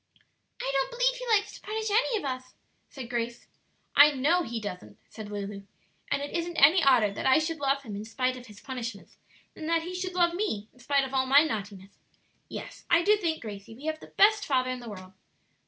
"I don't b'lieve he likes to punish any of us," said Grace. "I know he doesn't," said Lulu. "And it isn't any odder that I should love him in spite of his punishments, than that he should love me in spite of all my naughtiness. Yes, I do think, Gracie, we have the best father in the world."